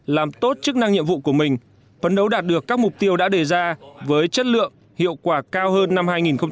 làm tốt chức năng nhiệm vụ của mình phấn đấu đạt được các mục tiêu đã đề ra với chất lượng hiệu quả cao hơn năm hai nghìn một mươi tám